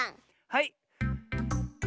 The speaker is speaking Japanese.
はい。